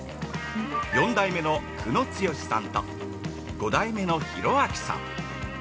４代目の久野剛資さんと５代目の浩彬さん。